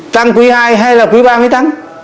tăng quý hai hay là quý ba mới tăng